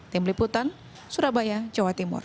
tim liputan surabaya jawa timur